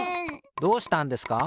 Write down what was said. どうしたんですか？